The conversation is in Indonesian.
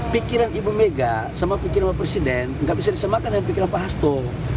pikiran ibu mega sama pikiran bapak presiden nggak bisa disemakan dengan pikiran pak hasto